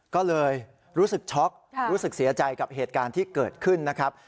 ก็เลยรู้สึกช็อกรู้สึกเสียใจกับเหตุการณ์ที่เกิดขึ้นนะครับ